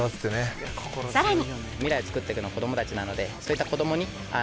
さらに